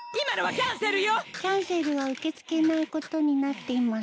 キャンセルは受け付けないことになっています。